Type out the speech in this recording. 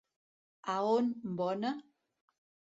A on bona?